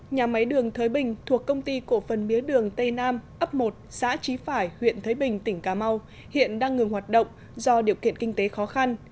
nhà máy đường thới bình thuộc công ty cổ phần mía đường tây nam ấp một xã trí phải huyện thới bình tỉnh cà mau hiện đang ngừng hoạt động do điều kiện kinh tế khó khăn